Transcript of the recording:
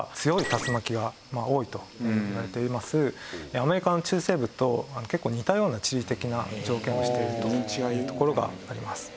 アメリカの中西部と結構似たような地理的な条件をしているというところがあります。